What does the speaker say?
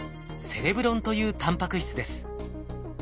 セレブロンというタンパク質です。